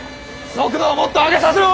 速度をもっと上げさせろ！